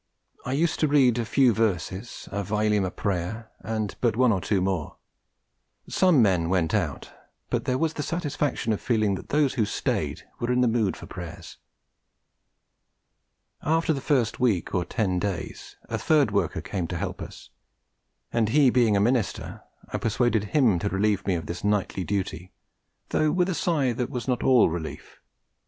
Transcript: I used to read a few verses, a Vailima Prayer and but one or two more: some men went out, but there was the satisfaction of feeling that those who stayed were in the mood for Prayers. After the first week or ten days, a third worker came to help us; and he being a minister, I persuaded him to relieve me of this nightly duty, though with a sigh that was not all relief.